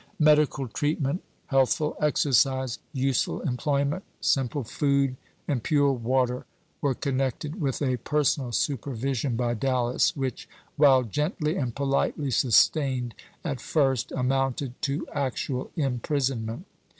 Medical treatment, healthful exercise, useful employment, simple food, and pure water were connected with a personal supervision by Dallas, which, while gently and politely sustained, at first amounted to actual imprisonment.